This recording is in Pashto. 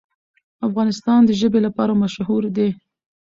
افغانستان د ژبې لپاره مشهور دی.